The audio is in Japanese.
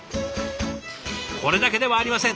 これだけではありません。